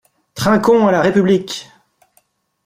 Trinquons à la République!